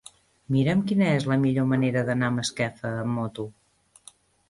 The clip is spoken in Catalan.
Mira'm quina és la millor manera d'anar a Masquefa amb moto.